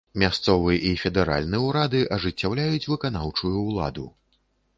Мясцовы і федэральны ўрады ажыццяўляюць выканаўчую ўладу.